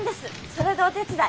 それでお手伝い。